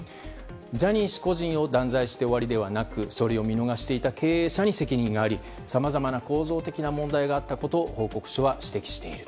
ジャニー氏個人を断罪して終わりではなくそれを見逃していた経営者に責任がありさまざまな構造的な問題があったことを報告書は指摘している。